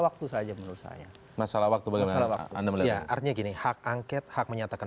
waktu saja menurut saya masalah waktu bagaimana waktu anda melihat artinya gini hak angket hak menyatakan